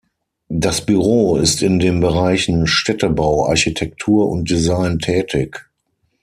Das Büro ist in den Bereichen Städtebau, Architektur und Design tätig.